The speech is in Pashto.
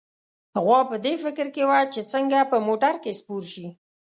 غوا په دې فکر کې وه چې څنګه په موټر کې سپور شي.